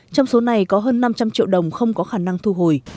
trong số này có hơn năm trăm linh triệu đồng không có khả năng thu hồi